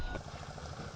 với sự kiểm soát